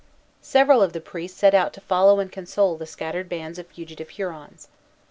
Several of the priests set out to follow and console the scattered bands of fugitive Hurons.